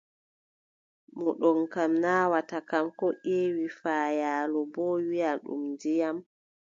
Mo ɗomka naawata kam, koo ƴeewi faayaalo boo, wiʼa ɗum ndiyam.